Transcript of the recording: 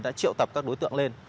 đã triệu tập các đối tượng lên